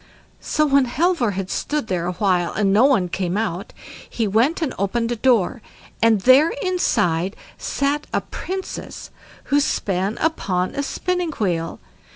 So when Halvor had stood there a while and no one came out, he went and opened a door, and there inside sat a Princess who span upon a spinning wheel.